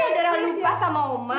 tante dora lupa sama oma